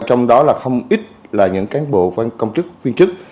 trong đó là không ít là những cán bộ công chức viên chức